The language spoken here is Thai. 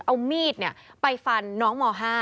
เอามีดไปฟันน้องม๕